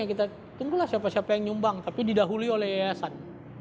itu didahului oleh yayasan